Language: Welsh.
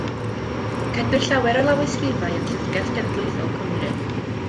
Cedwir llawer o'i lawysgrifau yn Llyfrgell Genedlaethol Cymru.